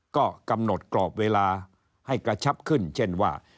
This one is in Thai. ก็กำหนดกรอบเวลาให้กระชับขึ้นเช่นว่า